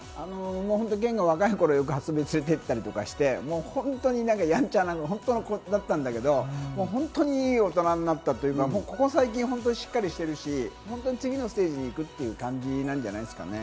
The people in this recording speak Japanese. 健が若い頃、よく遊びに連れてったりして、本当にやんちゃな子だったんだけど、本当にいい大人になったというか、ここ最近しっかりしてるし、次のステージに行くっていう感じなんじゃないですかね。